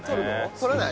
取らない？